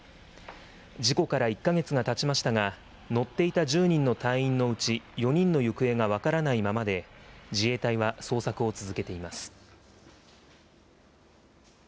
事故から１か月がたちましたが、乗っていた１０人の隊員のうち４人の行方が分からないままで、自衛隊は捜索を続けています。